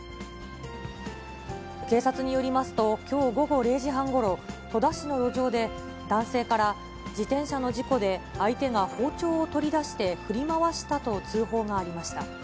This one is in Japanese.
警察によりますと、きょう午後０時半ごろ、戸田市の路上で、男性から自転車の事故で相手が包丁を取り出して、振り回したと通報がありました。